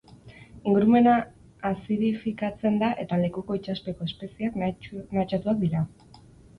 Ingurumena azidifikatzen da eta lekuko itsaspeko espezieak mehatxatuak dira.